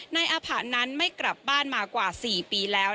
นายอาผะนั้นไม่กลับบ้านมากว่า๔ปีแล้ว